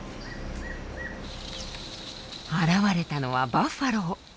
現れたのはバッファロー。